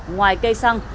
ngoài cây xăng